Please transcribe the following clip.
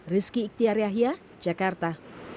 rizky iktiar yahya jakarta